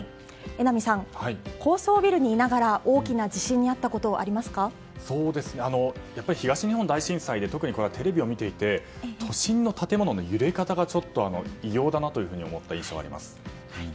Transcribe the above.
榎並さん、高層ビルにいながら大きな地震に遭ったこと東日本大震災で特にテレビを見ていて都心の建物の揺れ方が異様だなというふうに思った印象があります。